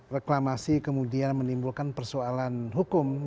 reklamasi kemudian menimbulkan persoalan hukum